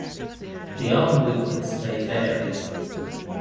The arm movements may vary.